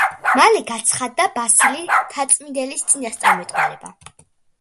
მალე გაცხადდა ბასილი მთაწმინდელის წინასწარმეტყველება.